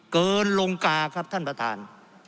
ลงกาครับท่านประธาน